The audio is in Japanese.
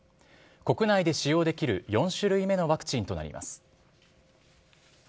国内で使用できる４種類目のワクチンとなります。